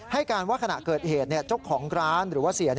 ให้การว่าขณะเกิดเหตุเจ้าของร้านหรือว่าเสีย